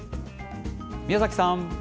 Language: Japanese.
宮崎さん。